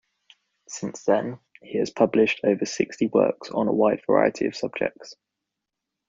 Since then, he has published over sixty works on a wide variety of subjects.